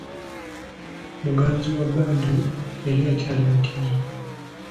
Muganzi wa Badru yali akyali mutiini.